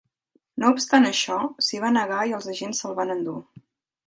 No obstant això, s'hi va negar i els agents se'l van endur.